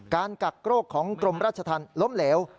กักโรคของกรมราชธรรมล้มเหลว